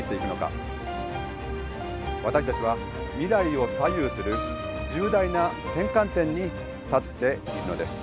私たちは未来を左右する重大な転換点に立っているのです。